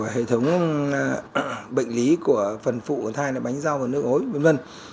hệ thống bệnh lý của phần phụ của thai bánh rau nước ối v v